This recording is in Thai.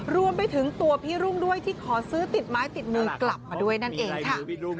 รวมไปถึงตัวพี่รุ่งด้วยที่ขอซื้อติดไม้ติดมือกลับมาด้วยนั่นเองค่ะ